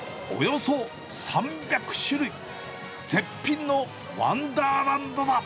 およそ３００種類、絶品のワンダ